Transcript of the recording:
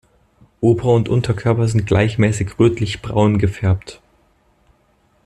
Ober- und Unterkörper sind gleichmäßig rötlich braun gefärbt.